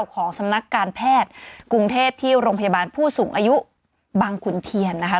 ของสำนักการแพทย์กรุงเทพที่โรงพยาบาลผู้สูงอายุบังขุนเทียนนะคะ